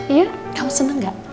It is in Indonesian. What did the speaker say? iya kamu seneng gak